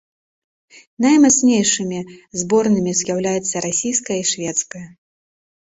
Наймацнейшымі зборнымі з'яўляюцца расійская і шведская.